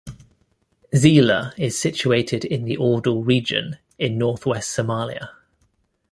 Zeila is situated in the Awdal region in northwest Somalia.